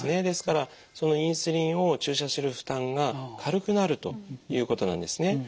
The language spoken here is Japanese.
ですからそのインスリンを注射する負担が軽くなるということなんですね。